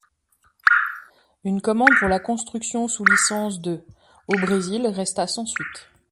Une commande pour la construction sous licence de au Brésil resta sans suite.